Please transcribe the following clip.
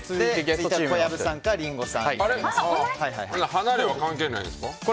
離れたのは関係ないんですか？